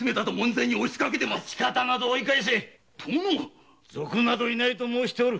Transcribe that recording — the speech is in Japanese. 町方など追い帰せ賊などいないと申しておる。